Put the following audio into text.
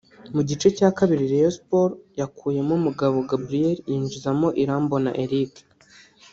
Mu gice cya kabiri Rayon Sports yakuyemo Mugabo Gabriel yinjizamo Irambona Eric